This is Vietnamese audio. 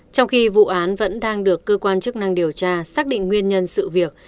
trong khi vụ án vẫn đang được cơ quan chức năng điều tra xác định nguyên nhân sự việc